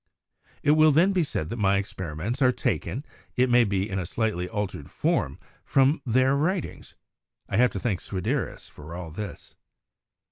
It will then be said that my experiments are taken, it may be in a slightly altered form, from their writings. I have to thank Swederus for all this."